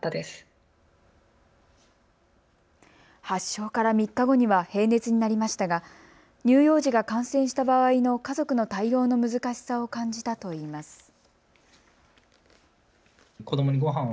発症から３日後には平熱になりましたが乳幼児が感染した場合の家族の対応の難しさを感じたといいます。